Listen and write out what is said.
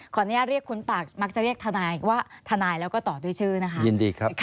ขออนุญาตเรียกคุณปากมักจะเรียกทนายว่าทนายแล้วก็ต่อด้วยชื่อนะคะ